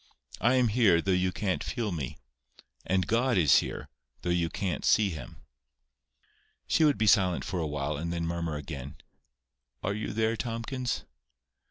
I am here, though you can't feel me. And God is here, though you can't see Him." She would be silent for a while, and then murmur again— "Are you there, Tomkins?"